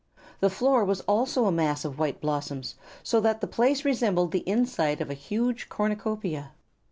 The floor was also a mass of white blossoms, so that the place resembled the inside of a huge cornucopia.